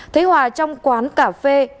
thấy hòa trong quán cà phê